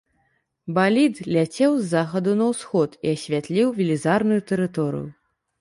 Балід ляцеў з захаду на ўсход і асвятліў велізарную тэрыторыю.